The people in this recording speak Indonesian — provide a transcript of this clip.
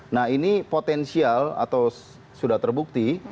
nah ini potensial atau sudah terbukti